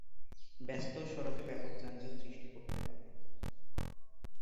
এটি ব্যস্ত সড়কে ব্যাপক যানজট সৃষ্টি করতে পারে।